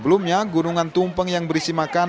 belumnya gunungan tumpeng yang berisi makanan